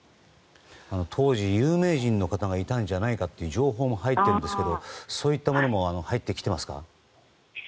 当時、有名人の方がいたんじゃないかという情報も入っているんですがそういったものも入ってきていますか？